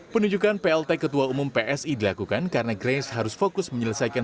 penunjukan plt ketua umum psi dilakukan karena grace harus fokus menyelesaikan